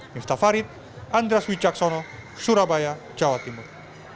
miftah farid andras wicaksono surabaya jawa timur